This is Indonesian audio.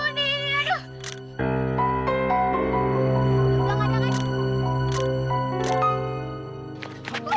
gue udah jahit jam berani